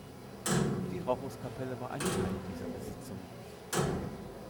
Die Rochuskapelle war ein Teil dieser Besitzung.